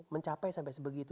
mencapai sampai sebegitu